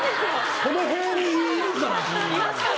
この辺にいるから。